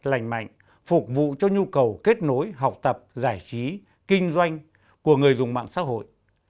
lành mạnh phục vụ cho nhu cầu kết nối học tập giải trí kinh doanh của người dùng mạng xã hội